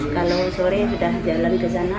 kalau sore sudah jalan ke sana